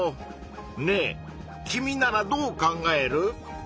ねえ君ならどう考える？